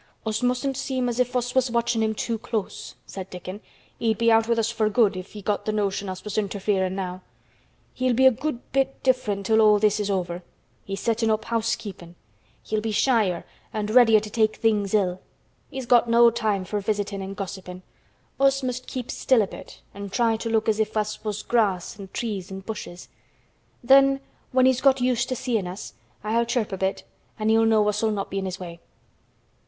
"Us mustn't seem as if us was watchin' him too close," said Dickon. "He'd be out with us for good if he got th' notion us was interferin' now. He'll be a good bit different till all this is over. He's settin' up housekeepin'. He'll be shyer an' readier to take things ill. He's got no time for visitin' an' gossipin'. Us must keep still a bit an' try to look as if us was grass an' trees an' bushes. Then when he's got used to seein' us I'll chirp a bit an' he'll know us'll not be in his way."